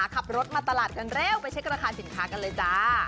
ขับรถมาตลาดกันเร็วไปเช็คราคาสินค้ากันเลยจ้า